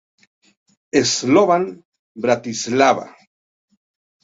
Slovan Bratislava.